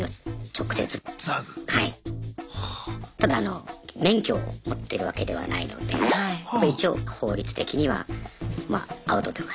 ただあの免許を持ってるわけではないので一応法律的にはまあアウトというか。